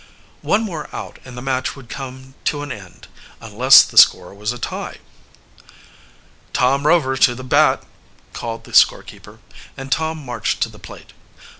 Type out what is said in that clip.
One more out and the match would come to an end, unless the score was a tie. "Tom Rover to the bat!" called the score keeper, and Tom marched to the plate.